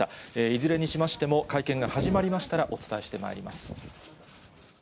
いずれにしましても、会見が始まりましたらお伝えしてまいります。